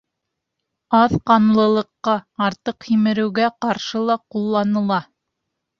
Аҙ ҡанлылыҡҡа, артыҡ һимереүгә ҡаршы ла ҡулланыла.